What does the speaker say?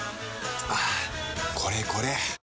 はぁこれこれ！